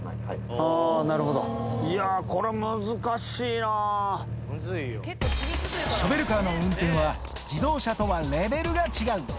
ああ、なるほど、これは難しショベルカーの運転は、自動車とはレベルが違う。